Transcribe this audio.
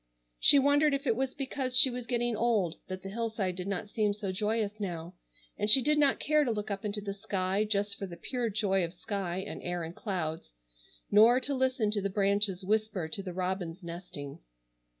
She wondered if it was because she was getting old that the hillside did not seem so joyous now, and she did not care to look up into the sky just for the pure joy of sky and air and clouds, nor to listen to the branches whisper to the robins nesting.